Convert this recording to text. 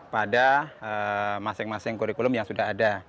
pada masing masing kurikulum yang sudah ada